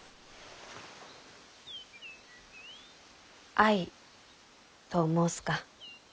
愛と申すか。